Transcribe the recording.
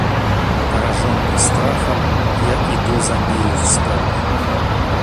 Пораженный страхом, я иду за нею в спальню.